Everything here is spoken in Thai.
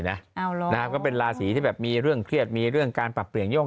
เอาลงนะครับก็เป็นราศีที่แบบมีเรื่องเครียดมีเรื่องการปรับเปลี่ยนโย่ง